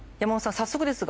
早速ですが。